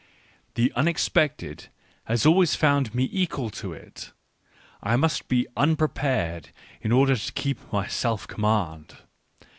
The unexpected has always found me equal to it; I must be unprepared in order to keep my self command.